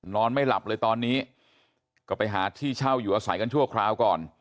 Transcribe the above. นอนไม่หลับเลยตอนนี้ก็ไปหาที่เช่าอยู่อาศัยกันชั่วคราวก่อน